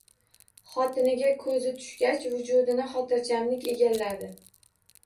Xotiniga ko‘zi tushgach, vujudini xotirjamlik egalladi.